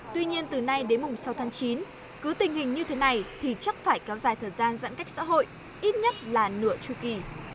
tuy nhiên từ nay đến mùng sáu tháng chín cứ tình hình như thế này thì chắc phải kéo dài thời gian giãn cách xã hội ít nhất là nửa chu kỳ